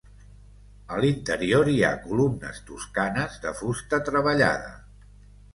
A l'interior hi ha columnes toscanes de fusta treballada.